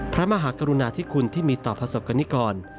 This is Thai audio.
พระมหากรุณาธิคุณที่มีต่อประสบกรณิกร